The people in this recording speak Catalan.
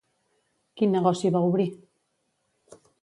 Quin negoci va obrir?